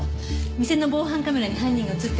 店の防犯カメラに犯人が映っているかも。